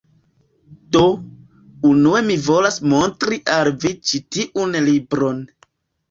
Do, unue mi volas montri al vi ĉi tiun libron